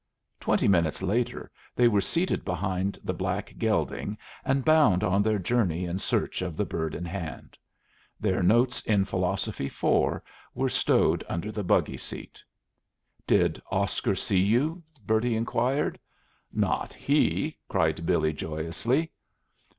Twenty minutes later they were seated behind the black gelding and bound on their journey in search of the bird in Hand. Their notes in Philosophy 4 were stowed under the buggy seat. "Did Oscar see you?" Bertie inquired. "Not he," cried Billy, joyously.